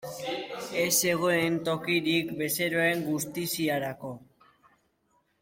Ez zegoen tokirik bezeroen gutiziarako.